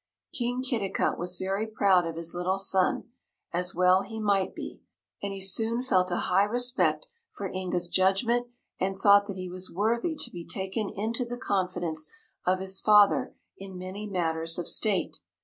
King Kitticut was very proud of his little son, as well he might be, and he soon felt a high respect for Inga's judgment and thought that he was worthy to be taken into the confidence of his father in many matters of state.